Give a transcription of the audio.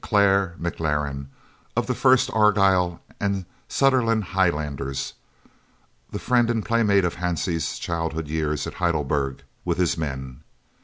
Clare McLaren, of the First Argyll and Sutherland Highlanders (the friend and playmate of Hansie's childhood's years at Heidelberg) with his men.